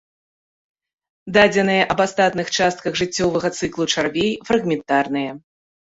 Дадзеныя аб астатніх частках жыццёвага цыклу чарвей фрагментарныя.